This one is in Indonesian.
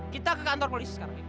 kita ke kantor polisi sekarang